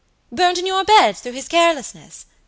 "Burnt in your beds through his carelessness!